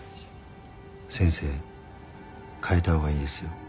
先生変えたほうがいいですよ。